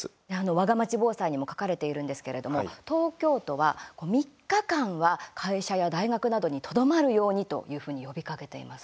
わがまち防災にも書かれているんですけれども東京都は３日間は会社や大学などにとどまるようにというふうに呼びかけています。